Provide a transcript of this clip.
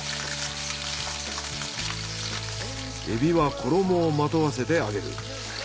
エビは衣をまとわせて揚げる。